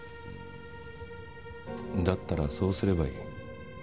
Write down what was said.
〔だったらそうすればいい。